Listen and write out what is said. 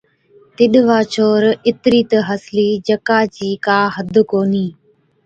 تِڏ وا ڇوهر اِترِي تہ هسلِي جڪا چِي ڪو حد ڪونهِي۔